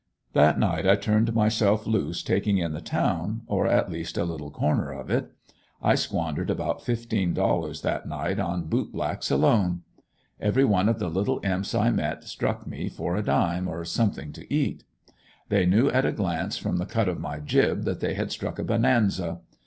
That night I turned myself loose taking in the town, or at least a little corner of it. I squandered about fifteen dollars that night on boot blacks alone. Every one of the little imps I met struck me for a dime, or something to eat. They knew, at a glance, from the cut of my jib, that they had struck a bonanza.